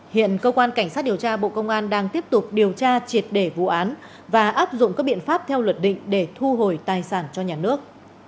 hiện cơ quan cảnh sát điều tra bộ công an đang tiếp tục điều tra triệt để vụ án và áp dụng các biện pháp theo luật định để thu hồi tài sản cho nhà nước